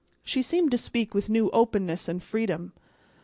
She seemed to speak with new openness and freedom.